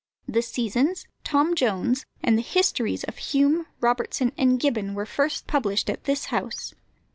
The Seasons, Tom Jones, and the Histories of Hume, Robertson, and Gibbon were first published at this house.